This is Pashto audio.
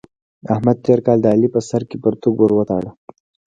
احمد تېر کال د علي په سر کې پرتوګ ور وتاړه.